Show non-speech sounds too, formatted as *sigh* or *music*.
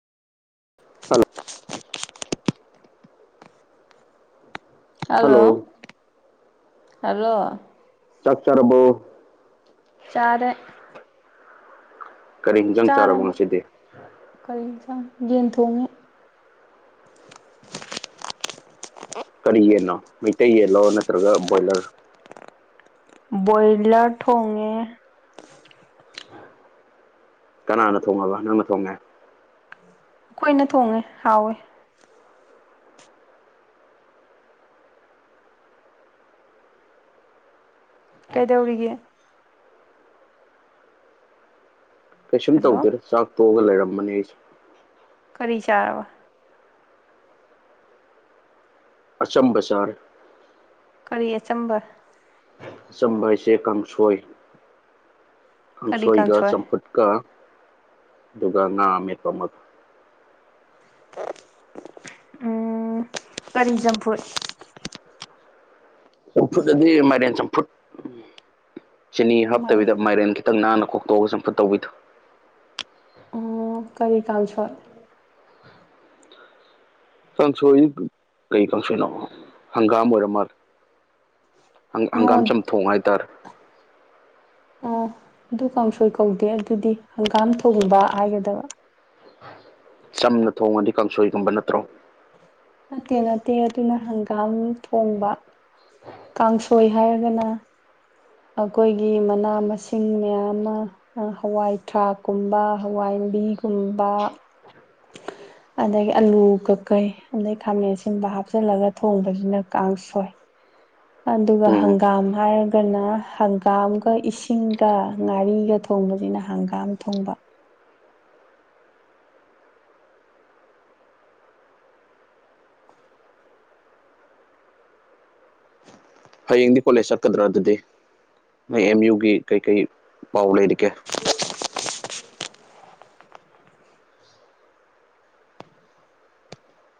hello hello hello ꯆꯥꯛ ꯆꯥꯔꯕꯣ ꯆꯥꯔꯦ ꯀꯔꯤ ꯍꯤꯟꯖꯥꯡ ꯆꯥꯔꯕꯣ ꯉꯁꯤꯗꯤ ꯀꯔꯤ ꯏꯟꯁꯥ ꯌꯦꯟ ꯊꯣꯡꯉꯦ ꯀꯔꯤ ꯌꯦꯟꯅꯣ ꯃꯩꯇꯩ ꯌꯦꯜꯂꯣ ꯅꯠꯇ꯭ꯔꯒ ꯕꯣꯏꯂꯔ ꯕꯣꯏꯂꯔ ꯊꯣꯡꯉꯦ ꯀꯅꯥꯅ ꯊꯣꯡꯉꯕ ꯅꯪꯅ ꯊꯣꯡꯉꯦ ꯑꯈꯣꯏꯅ ꯊꯣꯡꯉꯦ ꯍꯥꯎꯋꯦ ꯀꯩꯗꯧꯔꯤꯒꯦ ꯀꯩꯁꯨꯝ ꯍꯜꯂꯣ ꯇꯧꯗꯦꯗ ꯆꯥꯛ ꯇꯣꯛꯑꯒ ꯂꯩꯔꯝꯕꯅꯤ ꯑꯩꯁꯨ ꯀꯔꯤ ꯆꯥꯔꯕ ꯑꯆꯝꯕ ꯆꯥꯔꯦ ꯀꯔꯤ ꯑꯆꯝꯕ ꯆꯝꯕ ꯍꯥꯏꯁꯦ ꯀꯥꯡꯁꯣꯏ ꯀꯔꯤ ꯀꯥꯡꯁꯣꯏꯒ ꯀꯥꯡꯁꯣꯏ ꯆꯝꯐꯨꯠꯀ ꯑꯗꯨꯒ ꯉꯥ ꯑꯃꯦꯠꯄ ꯑꯃꯒ ꯎꯝ ꯀꯝꯖꯝꯄꯨꯔ ꯆꯝꯐꯨꯠ ꯑꯗꯨꯗꯤ ꯃꯥꯏꯔꯦꯟ ꯆꯝꯐꯨꯠ ꯆꯤꯅꯤ ꯑꯣ ꯃꯥꯏ ꯍꯥꯞꯇꯕꯤꯗ ꯃꯥꯏꯔꯦꯟ ꯈꯤꯇꯪ ꯅꯥꯟꯅ ꯀꯣꯛꯇꯣꯛꯑꯒ ꯆꯐꯠ ꯇꯧꯕꯤꯗꯣ ꯑꯣ ꯀꯔꯤ ꯀꯥꯡꯥ ꯁꯣꯠ ꯀꯪꯁꯣꯏ ꯀꯩ ꯀꯥꯡꯪꯁꯣꯏꯅꯣ ꯍꯪꯒꯥꯝ ꯑꯣꯏꯔꯝ ꯃꯥꯔ ꯍꯪꯒꯥꯝ ꯅꯣꯟ ꯆꯝꯊꯣꯡ ꯍꯥꯏꯇꯥꯔꯦ ꯑꯣ ꯑꯗꯨ ꯀꯥꯡꯁꯣꯏ ꯀꯧꯗꯦ ꯑꯗꯨꯗꯤ ꯍꯪꯒꯥꯝ ꯊꯣꯡꯕ ꯍꯥꯏꯒꯗꯕ ꯆꯝꯅ ꯊꯣꯡꯉꯗꯤ ꯀꯥꯡꯁꯣꯏꯒꯨꯝꯕ ꯅꯠꯇ꯭ꯔꯣ ꯅꯠꯇꯦ ꯅꯠꯇꯦ ꯑꯗꯨꯅ ꯍꯪꯒꯥꯝ ꯊꯣꯡꯕ ꯀꯥꯡꯁꯣꯏ ꯍꯥꯏꯔꯒꯅ ꯑꯩꯈꯣꯏꯒꯤ ꯃꯅꯥ ꯃꯁꯤꯡ ꯃꯌꯥꯝ ꯑꯃ ꯍꯋꯥꯏ ꯊꯔꯥꯛꯀꯨꯝꯕ ꯍꯋꯥꯏ ꯄꯥꯕꯤꯒꯨꯝꯕ *unintelligible* ꯑꯗꯒꯤ ꯑꯥꯂꯨ ꯀꯀꯩ ꯑꯗꯩ ꯈꯥꯃꯦꯟ ꯑꯁꯤꯕ ꯍꯥꯞꯆꯤꯜꯂꯒ ꯊꯣꯡꯕꯁꯤꯅ ꯀꯥꯡ ꯁꯣꯏ ꯑꯗꯨꯒ ꯎꯝ ꯍꯪꯒꯥꯝ ꯍꯥꯏꯔꯒꯅ ꯍꯪꯒꯥꯝꯒ ꯏꯁꯤꯡꯒ ꯉꯥꯔꯤꯒ ꯊꯣꯛ ꯊꯣꯡꯕꯁꯤꯅ ꯍꯪꯒꯥꯝ ꯊꯣꯡꯕ ꯎ ꯍꯌꯦꯡꯗꯤ ꯀꯣꯂꯦꯖ ꯆꯠꯀꯗ꯭ꯔꯥ ꯑꯗꯨꯗꯤ ꯃꯣꯏ ꯑꯦꯝ ꯌꯨꯒꯤ ꯀꯩꯀꯩ ꯄꯥꯎ ꯂꯩꯔꯤꯒꯦ